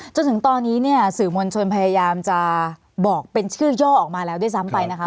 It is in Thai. จนถึงตอนนี้เนี่ยสื่อมวลชนพยายามจะบอกเป็นชื่อย่อออกมาแล้วด้วยซ้ำไปนะคะ